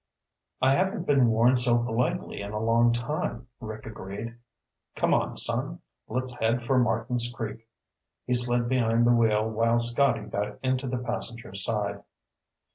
"I haven't been warned so politely in a long time," Rick agreed. "Come on, son. Let's head for Martins Creek." He slid behind the wheel while Scotty got into the passenger side.